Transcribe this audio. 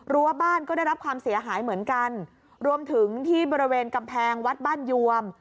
รั้วบ้านก็ได้รับความเสียหายเหมือนกันรวมถึงที่บริเวณกำแพงวัดบ้านยวม